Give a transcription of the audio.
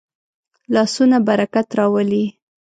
لاسونه برکت راولي